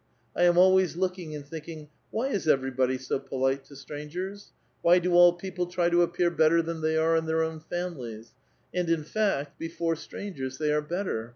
I am always looking and thinking, whj' is everybody so polite to strangei*s ? Why do all people try to appear bet ter than they are in their own families? And in fact, before strangers they are better.